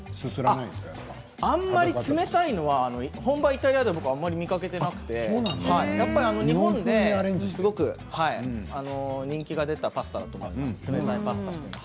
あまり冷たいのは本場イタリアで見かけていなくて日本ですごく人気が出たパスタだと思います冷たいパスタは。